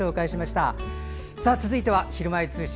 続いては「ひるまえ通信」